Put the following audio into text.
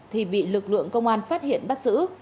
thì bị lực lượng công an phát hiện bắt giữ